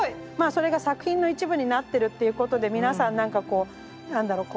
それが作品の一部になってるっていうことで皆さん何かこう何だろう